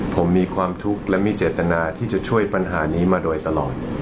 ผมมีความทุกข์และมีเจตนาที่จะช่วยปัญหานี้มาโดยตลอด